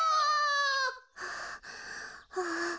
はあはあ。